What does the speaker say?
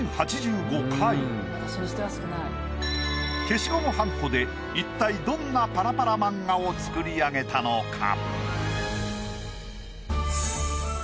消しゴムはんこで一体どんなパラパラ漫画を作り上げたのか？